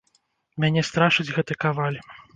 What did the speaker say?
Мяне страшыць гэты каваль.